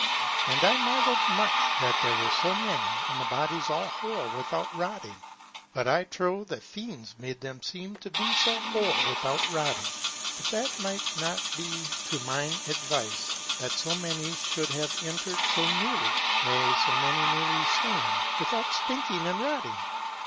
And I marvelled much, that there were so many, and the bodies all whole without rotting. But I trow, that fiends made them seem to be so whole without rotting. But that might not be to mine advice that so many should have entered so newly, ne so many newly slain, with out stinking and rotting.